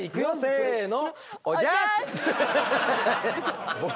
せの。